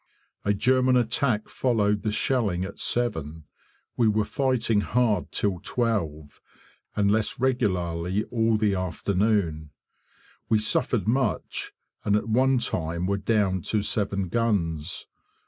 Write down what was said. A German attack followed the shelling at 7; we were fighting hard till 12, and less regularly all the afternoon. We suffered much, and at one time were down to seven guns.